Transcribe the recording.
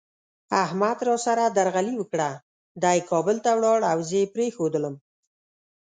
احمد را سره درغلي وکړه، دی کابل ته ولاړ او زه یې پرېښودلم.